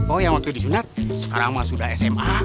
oh yang waktu di sunda sekarang mah sudah sma